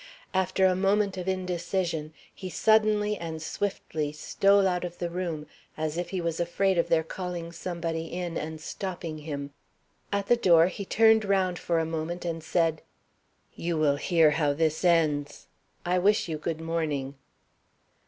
After a moment of indecision, he suddenly and swiftly stole out of the room, as if he was afraid of their calling somebody in, and stopping him. At the door he turned round for a moment, and said, "You will hear how this ends. I wish you good morning."